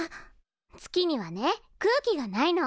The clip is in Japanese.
月にはね空気がないの。